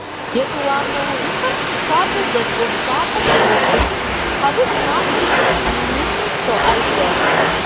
Етӏуанэ увыпӏэр Псыхуабэ дэт ӏуэхущӏапӏэм еубыд - абы зы махуэм цӏыху минитӏым щоӏэзэ.